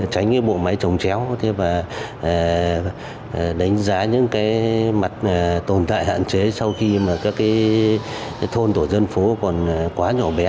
tránh bộ máy trồng chéo và đánh giá những mặt tồn tại hạn chế sau khi các thôn tổ dân phố còn quá nhỏ bé